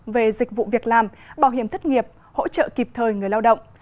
về dịch vụ việc làm bảo hiểm thất nghiệp hỗ trợ kịp thời người lao động